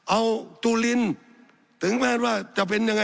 สับขาหลอกกันไปสับขาหลอกกันไป